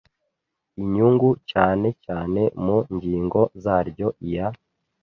inyungu cyane cyane mu ngingo zaryo iya